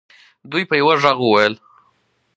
دوی په یوه ږغ وویل.